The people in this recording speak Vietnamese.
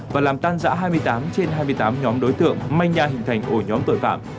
và làm tan giã hai mươi tám trên hai mươi tám nhóm đối tượng manh nha hình thành ổ nhóm tội phạm